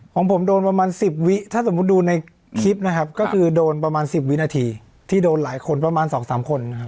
ของผมโดนประมาณ๑๐วิถ้าสมมุติดูในคลิปนะครับก็คือโดนประมาณ๑๐วินาทีที่โดนหลายคนประมาณ๒๓คนนะครับ